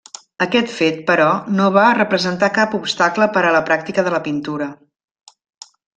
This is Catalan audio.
Aquest fet però no va representar cap obstacle per a la pràctica de la pintura.